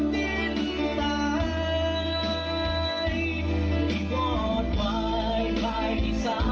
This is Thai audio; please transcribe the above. เตรียมหลัด